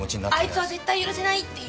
「あいつは絶対許せない」って。